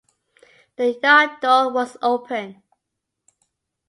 The yard door was open!